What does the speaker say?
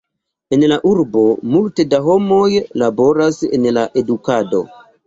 En la urbo multe da homoj laboras en la edukado.